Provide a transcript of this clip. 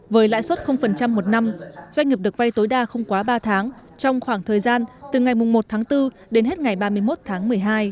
với lãi suất một năm doanh nghiệp được vay tối đa không quá ba tháng trong khoảng thời gian từ ngày một tháng bốn đến hết ngày ba mươi một tháng một mươi hai